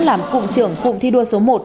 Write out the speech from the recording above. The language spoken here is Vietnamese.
làm cụm trưởng cụm thi đua số một